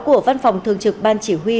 của văn phòng thường trực ban chỉ huy